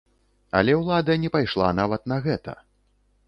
Але ўлада не пайшла нават на гэта.